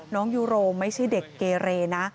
ยูโรไม่ใช่เด็กเกเรนะ